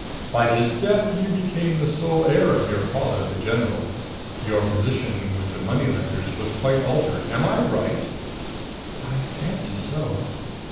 "By his death you became the sole heir of your father, the general. Your position with the money lenders was quite altered. Am I right?" "I fancy so."